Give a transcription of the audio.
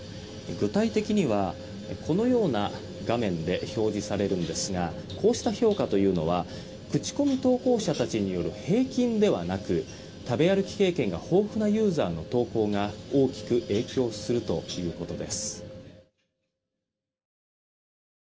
具体的にはこのような画面で表示されるんですがこうした評価というのは口コミ投稿者による平均ではなく、食べ歩き経験が豊富なユーザーの投稿が大きく影響するということです。